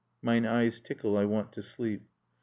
"Mine eyes tickle; I want to sleep."